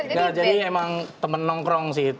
enggak jadi emang temen nongkrong sih